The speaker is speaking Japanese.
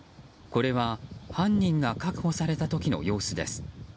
これは犯人が確保された時の様子です。